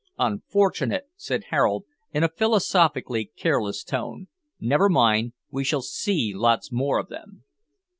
"Unfortunate!" said Harold, in a philosophically careless tone; "never mind, we shall see lots more of them."